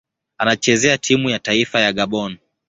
Anachezea timu ya taifa ya Gabon.